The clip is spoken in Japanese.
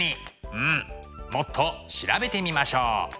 うんもっと調べてみましょう。